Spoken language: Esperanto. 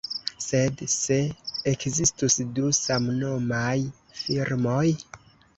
Sed, se ekzistus du samnomaj firmoj?